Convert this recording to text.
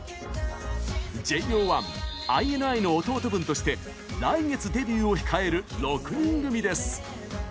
ＪＯ１、ＩＮＩの弟分として来月デビューを控える６人組です。